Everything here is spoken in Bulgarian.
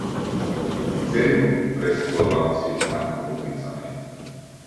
Офицеринът потресе главата си в знак на отрицание.